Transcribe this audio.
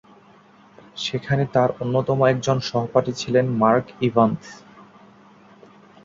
সেখানে তার অন্যতম একজন সহপাঠী ছিলেন মার্ক ইভান্স।